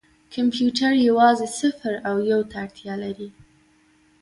کمپیوټر یوازې صفر او یو ته اړتیا لري.